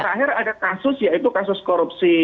terakhir ada kasus yaitu kasus korupsi